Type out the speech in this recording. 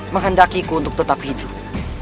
menghendakiku untuk tetap hidup